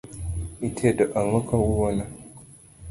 Itedo ang'o kawuono